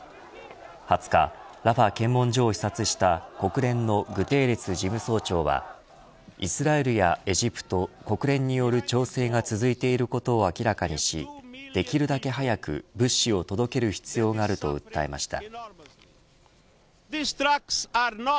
２０日、ラファ検問所を視察した国連のグテーレス事務総長はイスラエルやエジプト国連による調整が続いていることを明らかにしできるだけ早く物資を届ける必要があると訴えました。